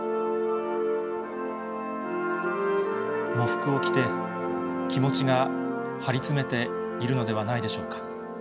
喪服を着て、気持ちが張り詰めているのではないでしょうか。